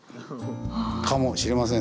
かもしれません